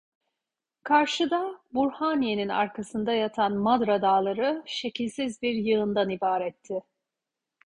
Karşıda, Burhaniye'nin arkasında yatan Madra Dağları şekilsiz bir yığından ibaretti.